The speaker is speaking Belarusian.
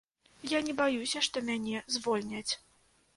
Я не баюся, што мяне звольняць.